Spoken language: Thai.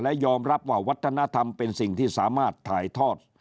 และยอมรับว่าวัฒนธรรมเป็นสิ่งที่สามารถถ่ายทอด